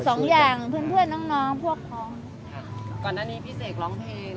สองอย่างเพื่อนเพื่อนน้องน้องพวกค่ะก่อนนั้นมีพี่เสกร้องเพลง